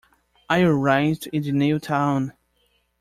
I arrived in the new town.